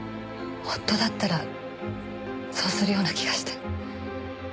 夫だったらそうするような気がして。